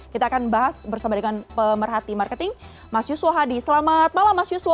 kita akan bahas bersama dengan pemerhati marketing mas yuswo hadi selamat malam mas yuswo